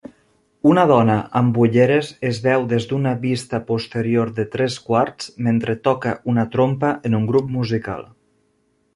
Una dona amb ulleres es veu des d'una vista posterior de tres quarts mentre toca una trompa en un grup musical.